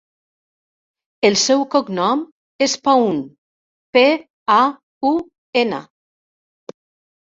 El seu cognom és Paun: pe, a, u, ena.